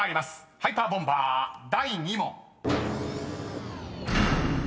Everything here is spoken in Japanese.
ハイパーボンバー第２問］